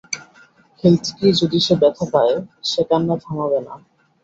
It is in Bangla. খেলতে গিয়ে যদি সে ব্যাথা পায়, সে কান্না থামাবে না।